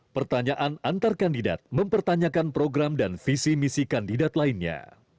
pertanyaan antar kandidat mempertanyakan program dan visi misi kandidat lainnya